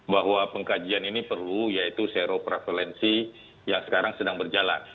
bahwa pengkajian ini perlu yaitu seroprevalensi yang sekarang sedang berjalan